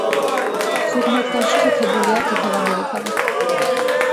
ზოგ მათგანში შექებულია ქეთევან დედოფალი.